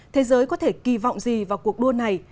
thế giới có thể kỳ vọng gì vào cuộc đua này